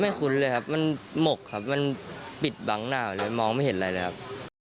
คุ้นเลยครับมันหมกครับมันปิดบังหน้าเลยมองไม่เห็นอะไรเลยครับ